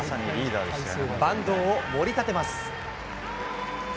坂東をもり立てます。